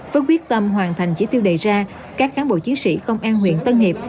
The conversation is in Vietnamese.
với quyết tâm hoàn thành chỉ tiêu đề ra các cán bộ chiến sĩ công an huyện tân hiệp